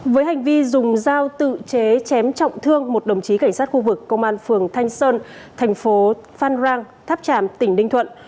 với hành vi dùng dao tự chế chém trọng thương một đồng chí cảnh sát khu vực công an phường thanh sơn thành phố phan rang tháp tràm tỉnh ninh thuận